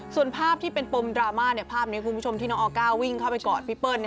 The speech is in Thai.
ส่วนภาพที่เป็นปมดราม่าภาพนี้คุณผู้ชมที่น้องออก้าวิ่งเข้าไปกอดพี่เปิ้ล